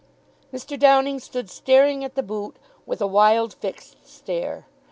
Mr. Downing stood staring at the boot with a wild, fixed stare.